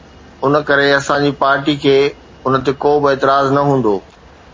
ان ڪري اسان جي پارٽي کي ان تي ڪو به اعتراض نه هوندو.